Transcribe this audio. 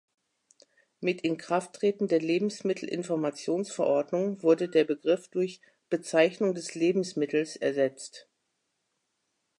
Mit Inkrafttreten der Lebensmittel-Informationsverordnung wurde der Begriff durch "Bezeichnung des Lebensmittels" ersetzt.